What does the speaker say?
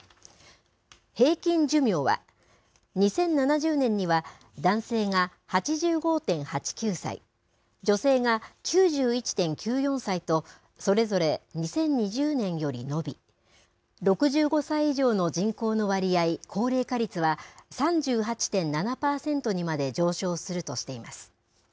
平均寿命は、２０７０年には男性が８５．８９歳、女性が９１．９４歳と、それぞれ２０２０年より伸び、６５歳以上の人口の割合・高齢化率は、３８．７％にまで上昇するとしています。